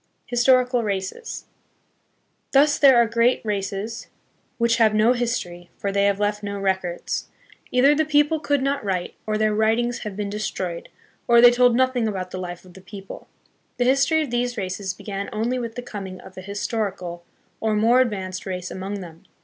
Historical Races. Thus there are great races which A SUBJECT FOR HISTORICAL STUDY. 13 have no history, for they have left no records. Either the people could not write, or their writings have been de stroyed, or they told nothing about the life of the people. The history of these races began only with the coming of a historical, or more advanced race among them.